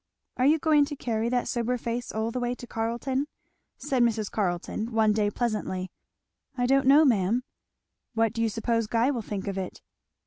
"Are you going to carry that sober face all the way to Carleton?" said Mrs. Carleton one day pleasantly. "I don't know, ma'am." "What do you suppose Guy will think of it?"